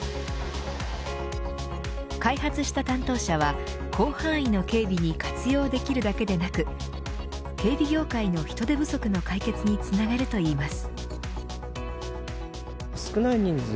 開発した担当者は広範囲の警備に活用できるだけでなく警備業界の人手不足の解決につながるといいます。